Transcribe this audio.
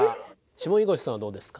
下吹越さんはどうですか？